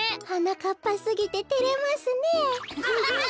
はなかっぱすぎててれますねえ。